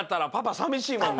さみしいですね。